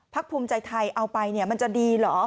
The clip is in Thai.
ภักษ์ภารกิจไทยเอาไปเนี่ยมันจะดีเหรอ